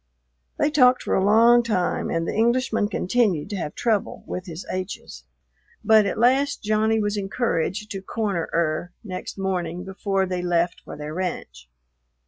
They talked for a long time and the Englishman continued to have trouble with his h's; but at last Johnny was encouraged to "corner 'er" next morning before they left for their ranch.